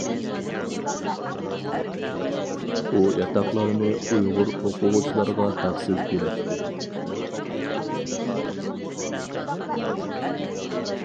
ئۇ ياتاقلارنى ئۇيغۇر ئوقۇغۇچىلارغا ھەقسىز بېرەتتى.